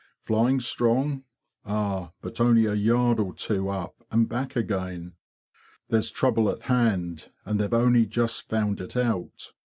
Flying strong? Ah, but only a yard or two up, and back again. There's trouble at hand, and they've only just found it out.